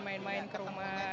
main main ke rumah